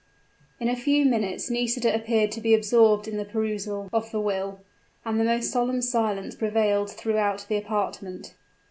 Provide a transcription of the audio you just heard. In a few minutes Nisida appeared to be absorbed in the perusal of the will; and the most solemn silence prevailed throughout the apartment!